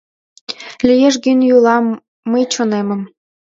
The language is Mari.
Лиеш гын йÿла, мый чонемым